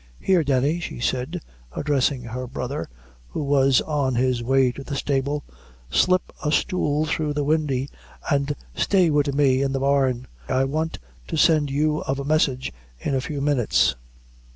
Here, Denny," she said, addressing her brother, who was on his way to the stable, "slip a stool through the windy, an' stay wid me in the barn I want to send you of a message in a few minutes."